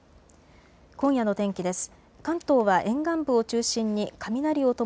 今夜の天気です。